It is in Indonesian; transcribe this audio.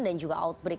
dan juga outbreak